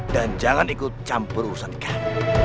dan jangan ikut campur usankan